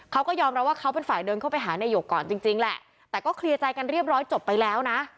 เขาก็ยอมรับว่าเขาเป็นฝ่ายเดินเข้าไปหานายกก่อนจริงแหละแต่ก็เคลียร์ใจกันเรียบร้อยจบไปแล้วนะ